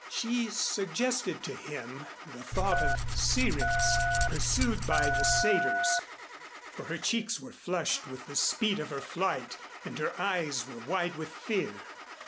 She suggested to him the thought of Syrinx pursued by the satyrs; for her cheeks were flushed with the speed of her flight and her eyes were wide with fear.